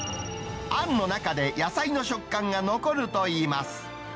あんの中で野菜の食感が残るといいます。